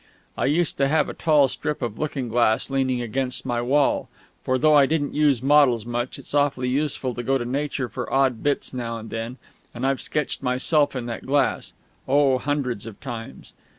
I used to have a tall strip of looking glass leaning against my wall; for though I didn't use models much, it's awfully useful to go to Nature for odd bits now and then, and I've sketched myself in that glass, oh, hundreds of times!